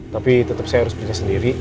tapi tetep saya harus berjaga sendiri